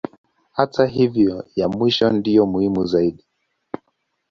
Hata hivyo ya mwisho ndiyo muhimu zaidi.